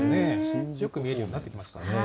新宿も見えるようになってきましたね。